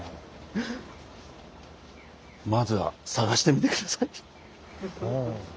まずは探してみて下さい。